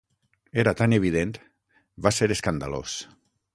Era tan evident… Va ser escandalós.